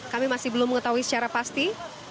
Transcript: kami masih belum mengetahui secara pasti